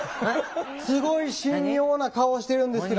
すごい神妙な顔してるんですけども。